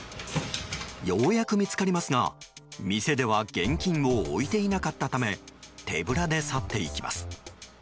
ようやく見つかりますが、店では現金を置いていなかったため手ぶらで去っていきます。